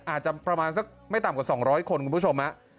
อาจจะประมาณสักไม่ต่ำกว่า๒๐๐คนคุณผู้ชม